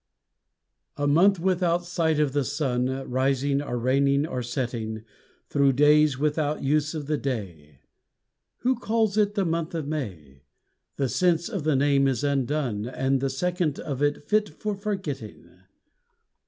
I A month without sight of the sun Rising or reigning or setting Through days without use of the day, Who calls it the month of May? The sense of the name is undone And the sound of it fit for forgetting.